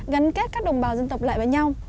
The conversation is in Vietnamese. gắn kết các đồng bào dân tộc lại với nhau